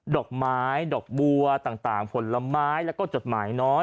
ดอกไม้ดอกบัวต่างผลไม้แล้วก็จดหมายน้อย